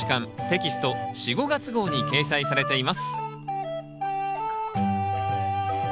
テキスト４・５月号に掲載されています